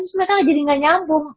terus mereka jadi gak nyambung